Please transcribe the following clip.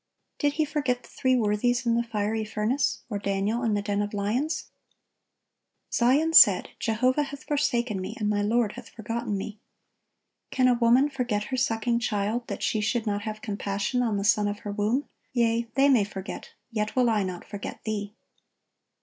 Did He forget the three worthies in the fiery furnace? or Daniel in the den of lions? "Zion said, Jehovah hath forsaken me, and my Lord hath forgotten me. Can a woman forget her sucking child, that she should not have compassion on the son of her womb? yea, they may forget, yet will I not forget thee.